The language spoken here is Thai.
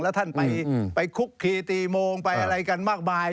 แล้วท่านไปคุกคีตีโมงไปอะไรกันมากมาย